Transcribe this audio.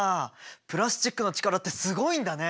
プラスチックの力ってすごいんだね！